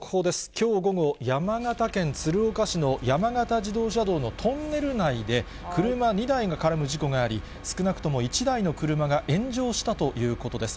きょう午後、山形県鶴岡市の山形自動車道のトンネル内で、車２台が絡む事故があり、少なくとも１台の車が炎上したということです。